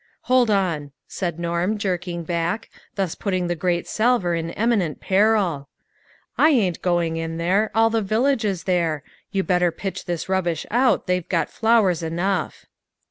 "Hold on," said Norm, jerking back, thus putting the great salver in eminent peril, " I ain't going in there ; all the village is there ; you better pitch this rubbish out, they've got flowers enough."